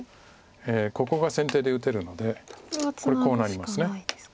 ここが先手で打てるのでこれこうなります。